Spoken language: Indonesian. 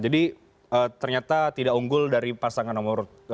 jadi ternyata tidak unggul dari pasangan nomor satu